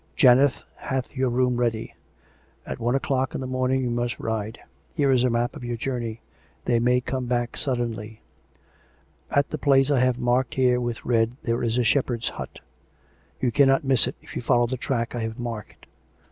" Janet hath your room ready. At one o'clock in the morning you must ride: here is a map of your journey. They may come back suddenly. At the place I have marked here with red there is a shepherd's hut; you cannot miss it if you follow the 401 402 COME RACK! COME ROPE! track I have marked.